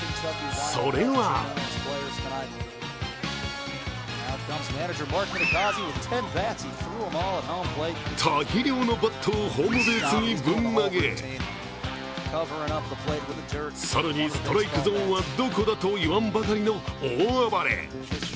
それは大量のバットをホームベースにぶん投げ更にストライクゾーンはどこだといわんばかりの大暴れ。